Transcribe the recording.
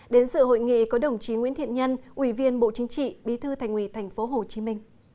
đến sự hội nghị có đồng chí nguyễn thiện nhân ủy viên bộ chính trị bí thư thành ủy tp hcm